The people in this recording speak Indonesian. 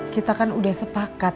kita kan udah sepakat